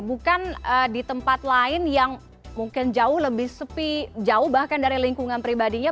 bukan di tempat lain yang mungkin jauh lebih sepi jauh bahkan dari lingkungan pribadinya